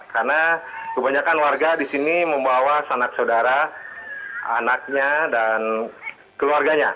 karena kebanyakan warga di sini membawa sanak saudara anaknya dan keluarganya